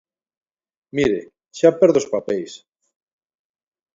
Mire, xa perdo os papeis.